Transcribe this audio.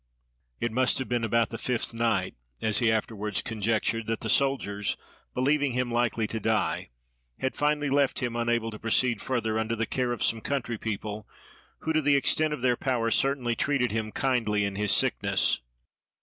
It must have been about the fifth night, as he afterwards conjectured, that the soldiers, believing him likely to die, had finally left him unable to proceed further, under the care of some country people, who to the extent of their power certainly treated him kindly in his sickness.